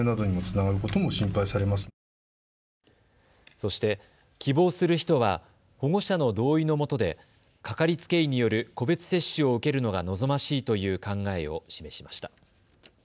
そして希望する人は保護者の同意のもとで掛かりつけ医による個別接種を受けるのが望ましいという考えを示しました。